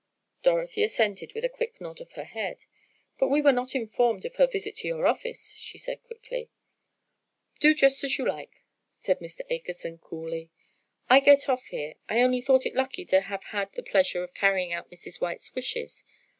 Dorothy assented with a quick nod of her head. "But we were not informed of her visit to your office," she said quickly. "Do just as you like," said Mr. Akerson, coolly, "I get off here. I only thought it lucky to have had the pleasure of carrying out Mrs. White's wishes.